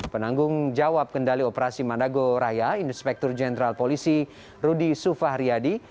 penanggung jawab kendali operasi mandago raya inspektur jenderal polisi rudy sufahriyadi